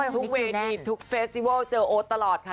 ทุกเวทีทุกเฟสติวัลเจอโอ๊ตตลอดค่ะ